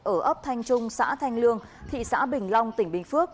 ở ấp thanh trung xã thanh lương thị xã bình long tỉnh bình phước